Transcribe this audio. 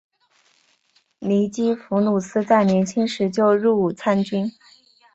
尼基弗鲁斯在年轻时就入伍参军。